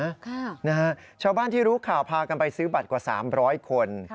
ค่ะนะฮะชาวบ้านที่รู้ข่าวพากันไปซื้อบัตรกว่าสามร้อยคน